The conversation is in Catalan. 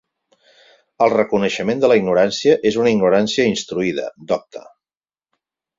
El reconeixement de la ignorància és una ignorància instruïda, docta.